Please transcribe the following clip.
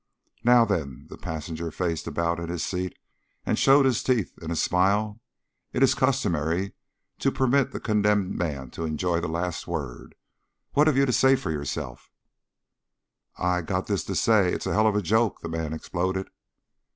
"Now then" the passenger faced about in his seat and showed his teeth in a smile "it is customary to permit the condemned to enjoy the last word. What have you to say for yourself?" "I got this to say. It's a hell of a joke " the man exploded.